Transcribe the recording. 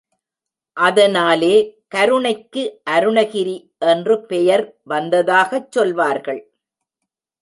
அதனாலே கருணைக்கு அருணகிரி என்று பெயர் வந்ததாகச் சொல்வார்கள்.